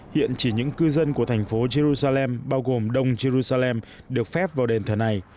hiện chỉ những cư dân của thành phố jerusalem bao gồm đông jerusalem được phép vào đền thờ này